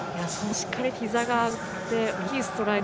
しっかりとひざが上がって大きいストライド。